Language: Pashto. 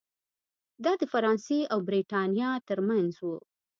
دا د فرانسې او برېټانیا ترمنځ و.